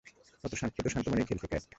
ওতো শান্ত মনেই খেলছে, ক্যাট।